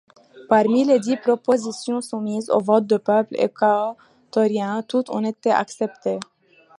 Parmi les dix propositions soumises au vote du peuple équatorien, toutes ont été acceptées.